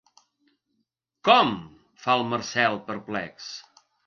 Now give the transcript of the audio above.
Com? —fa el Marcel, perplex.